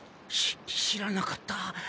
し知らなかった。